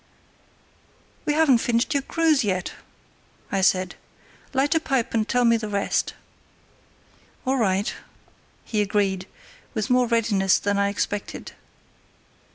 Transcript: "We haven't finished your cruise yet," I said. "Light a pipe and tell me the rest." "All right," he agreed, with more readiness than I expected.